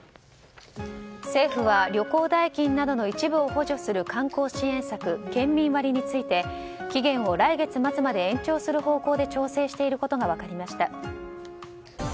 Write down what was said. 政府は旅行代金などの一部を補助する観光支援策、県民割について期限を来月末まで延長する方向で調整していることが分かりました。